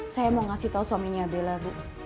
saya mau ngasih tau suaminya bella bu